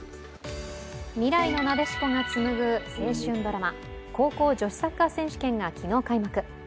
未来のなでしこがつむぐ青春ドラマ、高校女子サッカー選手権が昨日開幕。